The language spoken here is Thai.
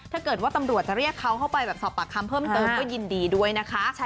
ถ้าเกิดว่าตำรวจจะเรียกเขาเข้าไปแบบสอบปากคำเพิ่มเติมก็ยินดีด้วยนะคะ